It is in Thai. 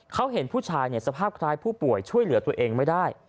เขาเห็นผู้ชายสภาพคล้ายผู้ป่วยช่วยเหลือตัวเองไม่ได้